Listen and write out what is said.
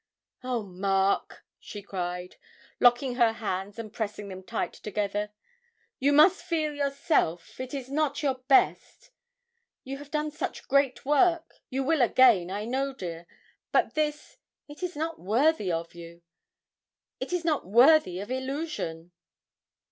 'Oh, Mark,' she cried, locking her hands and pressing them tight together, 'you must feel yourself it is not your best you have done such great work you will again, I know, dear but this, it is not worthy of you it is not worthy of "Illusion"!'